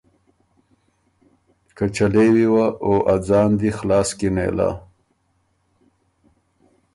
که چلېوی وه او ا ځان دی خلاص کی نېله۔